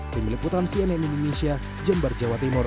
di meliputan cnn indonesia jember jawa timur